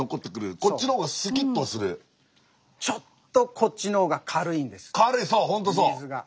ちょっとこっちのほうが軽いんです水が。